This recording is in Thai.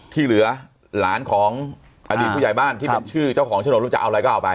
ที่เหลือหลานของอดีตผู้ใหญ่บ้านที่เป็นชื่อเจ้าของโฉนดลูกจะเอาอะไรก็เอาไป